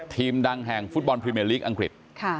ทีมดังแห่งฟุตบอลพิเมอร์ลิกอังกฤษ